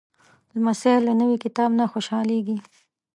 لمسی له نوي کتاب نه خوشحالېږي.